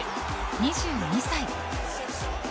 ２２歳。